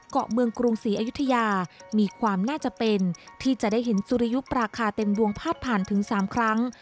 เกาะเมืองกรุงศรีอยุธยามีความน่าจะเป็นที่จะได้เห็นสุริยุปราคาเต็มดวงพาดผ่านถึง๓ครั้ง